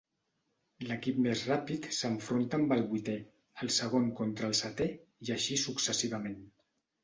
L'equip més ràpid s'enfronta amb el vuitè, el segon contra el setè, i així successivament.